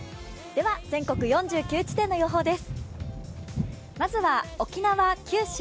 全国４９地点の予報です。